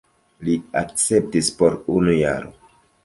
Li akceptis por unu jaro.